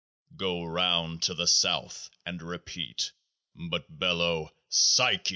Go round to the South and repeat ; but bellow WXH.